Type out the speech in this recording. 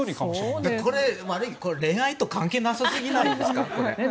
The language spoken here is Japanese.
恋愛と関係なさすぎないですか？